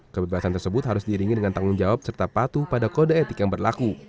kebebasan tersebut harus diiringi dengan tanggung jawab serta patuh pada kode etik yang berlaku